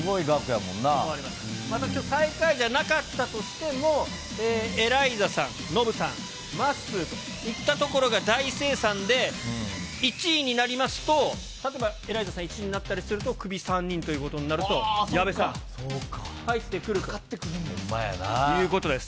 またきょう、最下位じゃなかったとしても、エライザさん、ノブさん、まっすーといったところが大精算で１位になりますと、例えばエライザさん１位になったりすると、クビ３人ということにほんまやな。ということです。